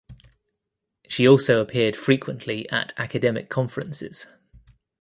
She also appeared frequently at academic conferences.